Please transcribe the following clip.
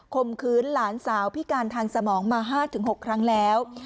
มขืนหลานสาวพิการทางสมองมา๕๖ครั้งแล้ว